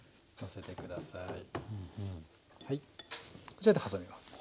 こちらで挟みます。